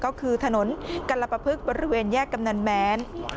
ก็คือถนนกัลปภึกบริเวณแยกกำนันแม้น